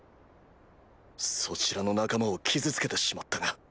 そちらの仲間を傷つけてしまったが。